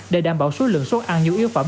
để đảm bảo số lượng xuất ăn như yếu phẩm